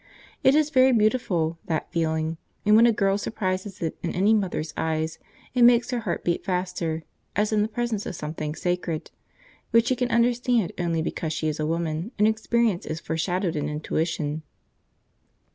It is very beautiful, that feeling; and when a girl surprises it in any mother's eyes it makes her heart beat faster, as in the presence of something sacred, which she can understand only because she is a woman, and experience is foreshadowed in intuition.